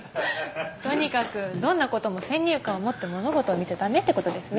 とにかくどんなことも先入観を持って物事を見ちゃ駄目ってことですね。